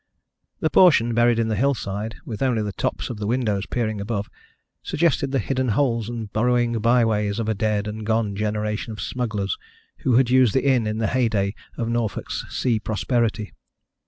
The portion buried in the hillside, with only the tops of the windows peering above, suggested the hidden holes and burrowing byways of a dead and gone generation of smugglers who had used the inn in the heyday of Norfolk's sea prosperity.